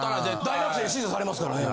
大学生に支持されますからね。